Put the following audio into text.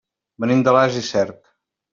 Venim d'Alàs i Cerc.